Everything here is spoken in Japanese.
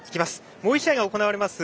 もう１試合が行われます